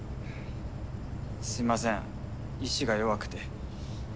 すみません意志が弱くて。